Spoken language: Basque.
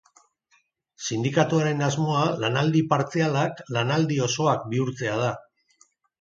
Sindikatuaren asmoa lanaldi partzialak lanaldi osoak bihurtzea da.